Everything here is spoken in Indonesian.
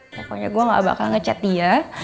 pokoknya gue gak bakal ngecet dia